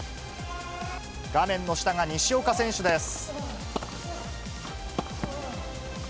画面の下が西岡選手です。